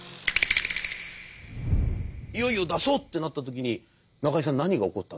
いよいよ出そうってなった時に中井さん何が起こったんですか？